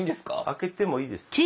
開けてもいいです。